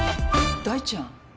大ちゃん。